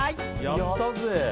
やったぜ！